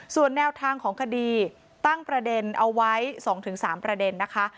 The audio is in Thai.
ส่วนแนวทางของคดีตั้งประเด็นเอาไว้๒๓ประเด็นนะคะ